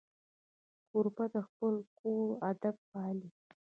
کوربه د خپل کور ادب پالي.